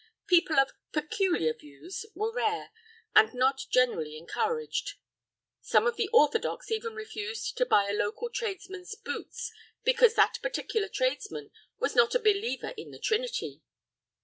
People of "peculiar views" were rare, and not generally encouraged. Some of the orthodox even refused to buy a local tradesman's boots, because that particular tradesman was not a believer in the Trinity.